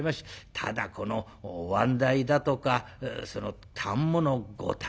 ただこのおわん代だとかその反物５反。